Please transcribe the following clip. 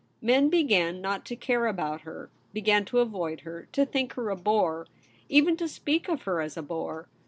Men began not to care about her — began to avoid her, to think her a bore, even to speak of her as a bore.